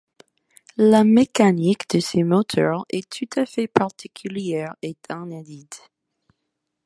La mécanique de ses moteurs est tout à fait particulière et inédite.